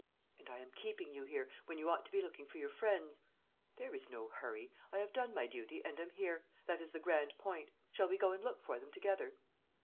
"And I am keeping you here, when you ought to be looking for your friends." "There is no hurry. I have done my duty, and am here; that is the grand point. Shall we go and look for them together?"